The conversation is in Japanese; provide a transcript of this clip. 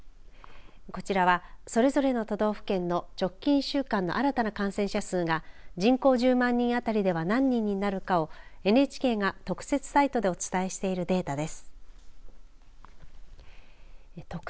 こちらはそれぞれの都道府県の直近１週間の新たな感染者数が人口１０万人当たりでは何人になるかをＮＨＫが特設サイトでお伝えしているデータです。